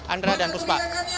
andrea dan puspa